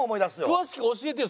詳しく教えてよ